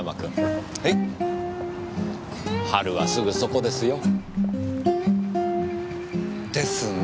春はすぐそこですよ。ですね。